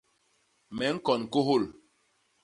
Me ñkon kôhôl.